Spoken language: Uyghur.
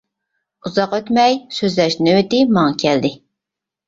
ئۇزاق ئۆتمەي، سۆزلەش نۆۋىتى ماڭا كەلدى.